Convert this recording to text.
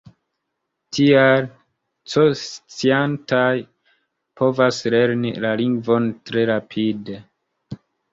Tial, C-sciantaj povas lerni la lingvon tre rapide.